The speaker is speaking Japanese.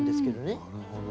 なるほど。